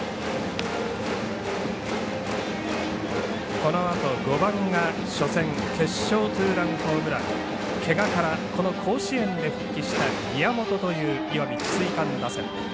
このあと、５番が初戦、決勝ツーランホームランけがから甲子園で復帰した宮本という石見智翠館打線。